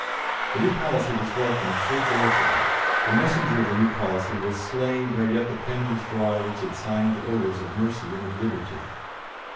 The new policy was welcomed so joyfully; the messenger of the new policy was slain ere yet the pen was dry which had signed the orders of mercy and of liberty.